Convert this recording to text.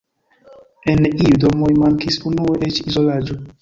En iuj domoj mankis unue eĉ izolaĝo.